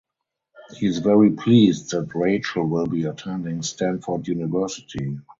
He is very pleased that Rachel will be attending Stanford University.